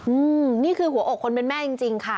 อืมนี่คือหัวอกคนเป็นแม่จริงจริงค่ะ